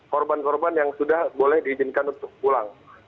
korban korban yang sudah boleh diizinkan untuk pulang